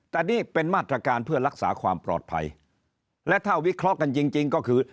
แต่นี่เป็นมาตรการเพื่อรักษาความปลอดภัยและถ้าวิเคราะห์กันจริงจริงก็คือ